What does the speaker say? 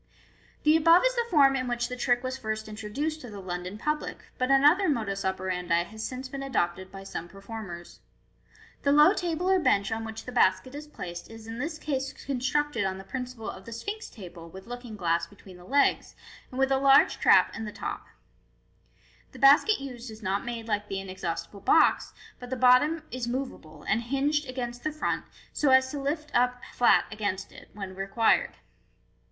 The above is the form in which the trick was first introduced to the London public, but another modus operandi has since been adopted by some performers. The low table or bench on which the basket if placed is in this case constructed on the principle of the Sphinx table with looking glass between the legs, and with a large trap in the top The basket used is not made like the inexhaustible box, but the bottom is moveable, and hinged against the front, so as to lift up flat against it when required.